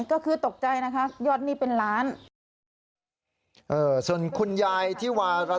ก็คือตกใจนะครับยอดหนี้เป็นล้านบาท